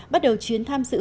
bắt đầu chuyến tham gia